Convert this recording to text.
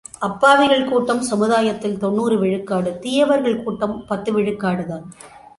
அப்பாவிகள் கூட்டம் சமுதாயத்தில் தொன்னூறு விழுக்காடு தீயவர்கள் கூட்டம் பத்து விழுக்காடு தான்.